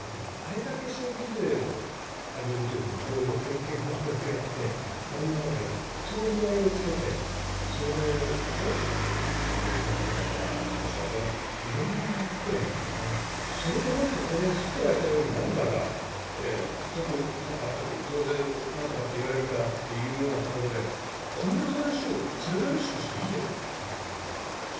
あれだけ消費税を上げる時に色々、侃侃諤諤やって色んなことをやっと折り合いをつけて食料品はどうのとか外食などうのとか色々やってそれをなんか降って湧いたように増税なんとかって言われるというようにこんな話を軽々しくしていいの？